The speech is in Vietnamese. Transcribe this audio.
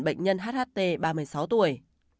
bệnh nhân hht ba mươi sáu tuổi